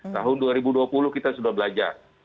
tahun dua ribu dua puluh kita sudah belajar